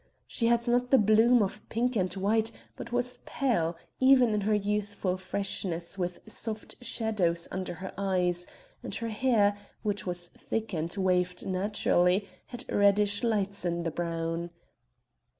She had not the bloom of pink and white, but was pale, even in her youthful freshness with soft shadows under her eyes; and her hair, which was thick and waved naturally had reddish lights in the brown.